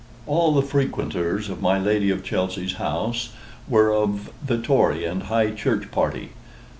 All the frequenters of my Lady of Chelsey's house were of the Tory and High Church party.